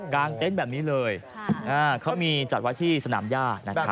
เต็นต์แบบนี้เลยเขามีจัดไว้ที่สนามย่านะครับ